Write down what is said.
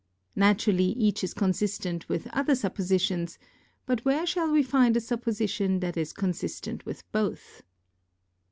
Naturally each is con sistent with other suppositions, but where shall we find a supp, osition that is consistent with both